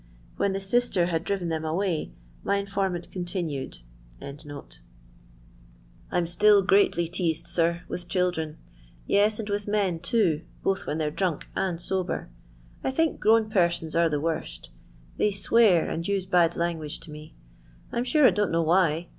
When the sister bad driven them away, my infonnant con tinued.] " I 'm still greatly teased, sir, with children ; yes, and with men too, both when they 're drunk and sober. I think grown persons are the worst They swear and use bad language to me, I 'm sure I don 't know why.